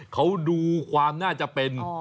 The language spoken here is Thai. เขาดูความน่าจะเป็น